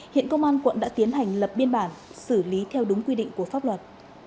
hiện công an quận đã tiến hành lập biên bản xử lý theo đúng quy định của pháp luật